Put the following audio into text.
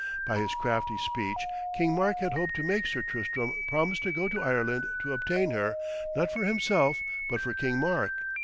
By his crafty speech King Mark had hoped to make Sir Tristram promise to go to Ireland to obtain her, not for himself, but for King Mark.